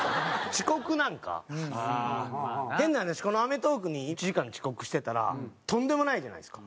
遅刻なんか変な話この『アメトーーク』に１時間遅刻してたらとんでもないじゃないですか。